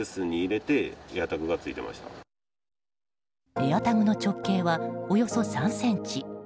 ＡｉｒＴａｇの直径はおよそ３ｃｍ。